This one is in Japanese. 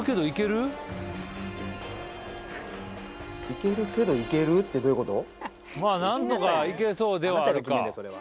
「行けるけど行ける？」ってどういうこと？